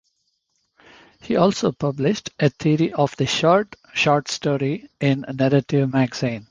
He also published a theory of the short short story in "Narrative Magazine".